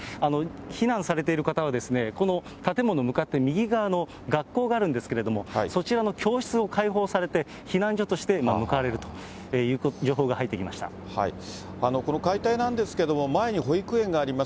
避難されている方は、この建物向かって右側の学校があるんですけれども、そちらの教室を開放されて、避難所として向かわれこの解体なんですけれども、前に保育園があります。